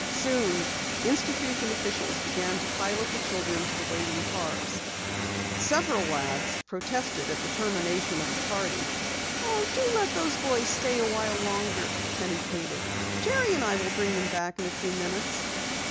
Soon institution officials began to pilot the children to the waiting cars. Several lads protested at the early termination of the party. "Do let the boys stay awhile longer," Penny pleaded. "Jerry and I will bring them back in a few minutes."